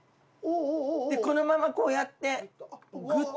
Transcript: このままこうやってグッと。